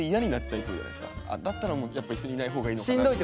だったらもうやっぱ一緒にいない方がいいのかなって。